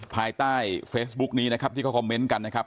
ภายใต้เฟซบุ๊กนี้นะครับที่เขาคอมเมนต์กันนะครับ